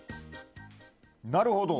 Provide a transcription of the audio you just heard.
なるほど。